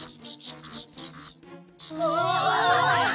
うわ！